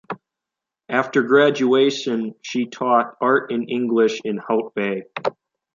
After graduation she taught art and English in Hout Bay.